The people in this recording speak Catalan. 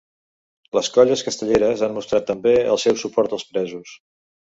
Les colles castelleres han mostrat, també, el seu suport als presos.